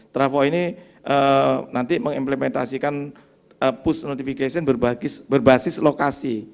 travo ini nanti mengimplementasikan push notification berbasis lokasi